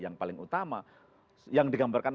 yang paling utama yang digambarkan